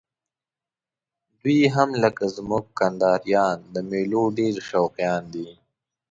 دوی هم لکه زموږ کندهاریان د میلو ډېر شوقیان دي.